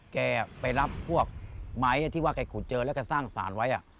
แกไปรับพวกไม้ที่ว่าแกขุดเจอแล้วก็สร้างสารไว้